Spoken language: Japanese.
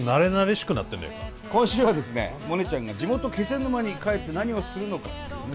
今週はですねモネちゃんが地元気仙沼に帰って何をするのかっていうね